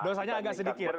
dosanya agak sedikit